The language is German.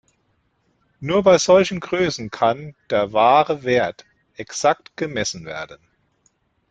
Nur bei solchen Größen kann der "wahre Wert" exakt gemessen werden.